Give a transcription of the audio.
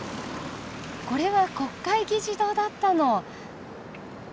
これは国会議事堂だったの。